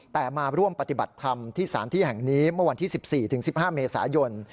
แต่มาร่วมปฏิบัติธรรมที่สารที่แห่งนี้เมื่อวันที่๑๔๑๕เมษายน